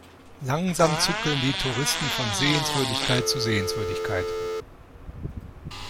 Langsam zuckeln die Touristen von Sehenswürdigkeit zu Sehenswürdigkeit.